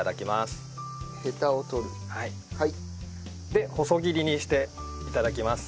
で細切りにして頂きます。